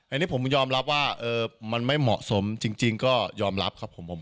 อันนี้ผมยอมรับว่ามันไม่เหมาะสมจริงก็ยอมรับครับผม